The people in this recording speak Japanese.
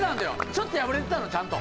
ちょっと破れてたのちゃんと。